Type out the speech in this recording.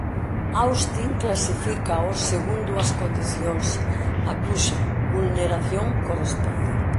Austin clasifícaos segundo as condicións a cuxa vulneración corresponden.